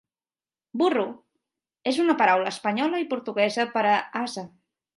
"Burro" és la paraula espanyola i portuguesa per a ase.